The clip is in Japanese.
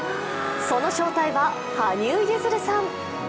その正体は、羽生結弦さん。